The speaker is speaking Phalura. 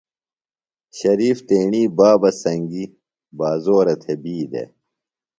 شریف تیݨیۡ بابہ سنگیۡ بازورہ تھےۡ بی دےۡ۔